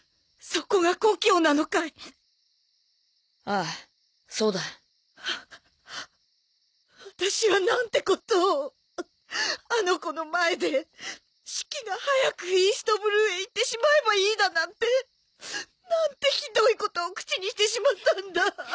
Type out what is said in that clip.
ああそうだ私はなんてことをあの子の前で「シキが早くイーストブルーへ行ってしまえばいい」だなんてなんてひどいことを口にしてしまったんだ